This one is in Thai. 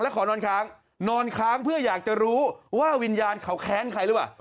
ขอนอนค้างนอนค้างเพื่ออยากจะรู้ว่าวิญญาณเขาแค้นใครหรือเปล่า